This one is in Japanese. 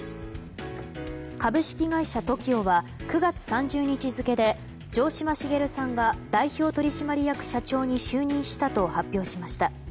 株式会社ＴＯＫＩＯは９月３０日付で城島茂さんが代表取締役に就任したと発表しました。